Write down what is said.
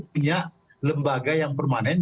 punya lembaga yang permanen